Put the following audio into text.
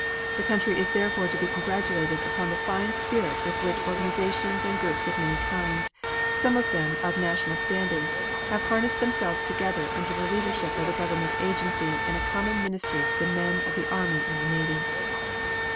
The country is to be congratulated upon the fine spirit with which organizations and groups of many kinds, some of them of national standing, have harnessed themselves together under the leadership of the government's agency in a common ministry to the men of the army and navy.